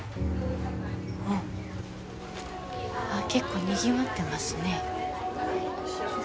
結構、にぎわってますね。